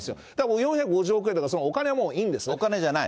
４５０億円とか、お金はもういいお金じゃない。